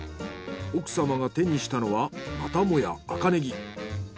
奥様が手にしたのはまたもや赤ネギ。